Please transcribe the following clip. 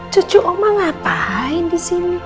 cucu oma ngapain disini